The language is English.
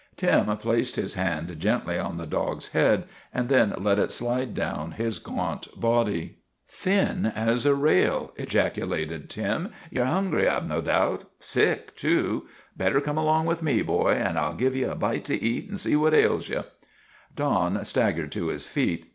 Tim placed his hand gently on the dog's head and then let it slide down his gaunt body. " Thin as a rail !' ejaculated Tim. " Ye 're hungry, I 've no doubt. Sick, too. Better come along with me, boy, and I '11 give ye a bite to eat and see what ails ye." Don staggered to his feet.